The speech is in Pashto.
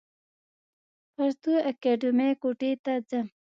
پښتو اکېډمۍ کوټي ته ځم.